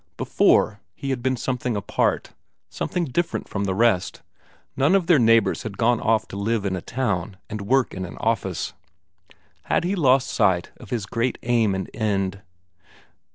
Before, he had been something apart, something different from the rest; none of their neighbours had gone off to live in a town and work in an office. Had he lost sight of his great aim and end?